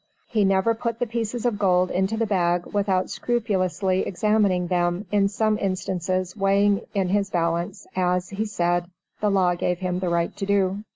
He never put the pieces of gold into the bag without scrupulously examining them, in some instances weighing in his balance, as, he said, "the law gave him the right to do."